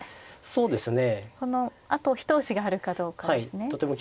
そうですね。